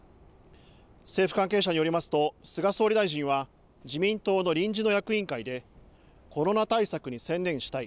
政府関係者によりますと菅総理大臣は自民党の臨時の役員会でコロナ対策に専念したい。